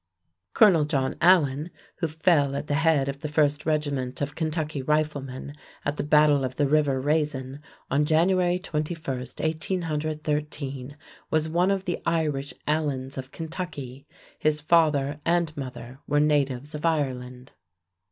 Colonel John Allen, who fell at the head of the First Regiment of Kentucky Riflemen at the battle of the river Raisin on January 21, 1813, was one of the Irish Allens of Kentucky. His father and mother were natives of Ireland.